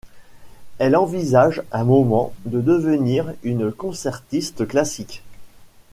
Elle envisage un moment de devenir une concertiste classique.